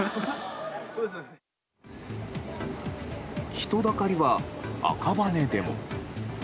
人だかりは、赤羽でも。